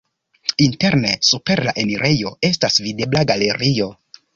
Interne super la enirejo estas videbla galerio.